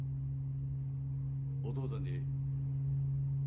「お父さん」でええ。